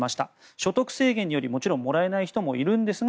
所得制限により、もちろんもらえない人もいるんですが